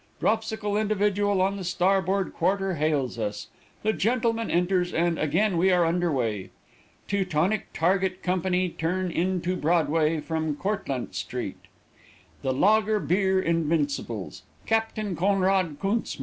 Dropsical individual on the starboard quarter hails us. The gentleman enters, and again we are under way. Teutonic target company turn into Broadway from Courtlandt street 'The Lager Bier Invincibles, Capt Conrad Künzmüller.'